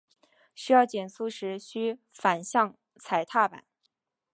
需要减速时须反向踩踏板。